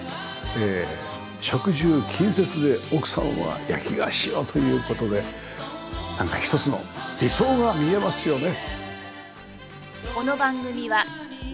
職住近接で奥さんは焼き菓子をという事でなんか一つの理想が見えますよね。